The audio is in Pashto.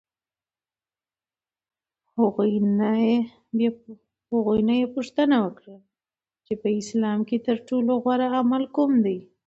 هغوی نه یې پوښتنه وکړه چې په اسلام کې ترټولو غوره عمل کوم دی؟